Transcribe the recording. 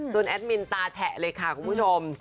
แอดมินตาแฉะเลยค่ะคุณผู้ชม